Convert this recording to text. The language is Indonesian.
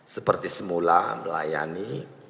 seperti semula melayani